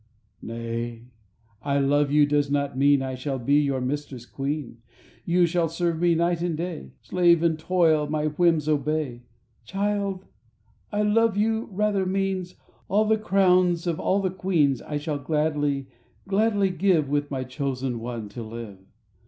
.. Nay, "I love you" does not mean: I shall be your mistress queen, You shall serve me night and day, Slave and toil, my whims obey. ... Child, "I love you" rather means: All the crowns of all the queens I shall gladly, gladly give With my chosen one to live.